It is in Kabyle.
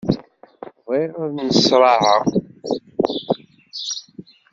Bɣiɣ ad nneṣraɛeɣ.